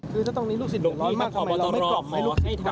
คือถ้าตรงนี้ลูกสิ่งไหล้มากเราไม่ปรอบหมอกนะครับ